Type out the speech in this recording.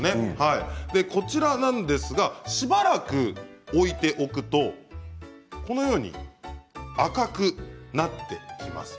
こちらなんですが、しばらく置いておくとこのように赤くなってきます。